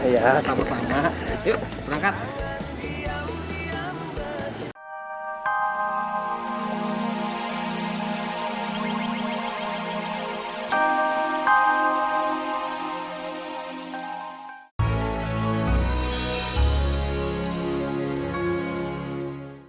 ya sama sama yuk berangkat